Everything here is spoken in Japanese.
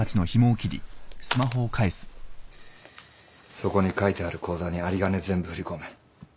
そこに書いてある口座に有り金全部振り込め。